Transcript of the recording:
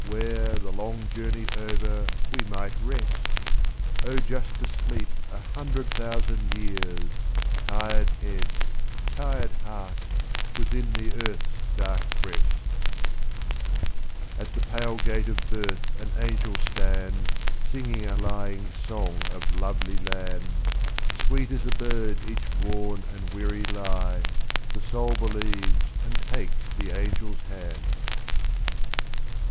Where, the long journey over, we might rest; ^+/.0 just to sleep a hundred thousand years. Tired head, tired heart, within the earth's dark breast ! At the pale gate of birth an angel stands Singing a lying song of lovely lands, / ^2. Sweet as a bird each worn and weary lie, — The soul believes and takes the angel's hands.